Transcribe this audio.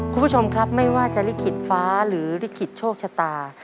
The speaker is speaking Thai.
คุณผู้ชมครับไม่ว่าจะลิขิตฟ้าหรือลิขิตโชคชะตา